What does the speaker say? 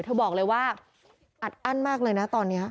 บอกเลยว่าอัดอั้นมากเลยนะตอนนี้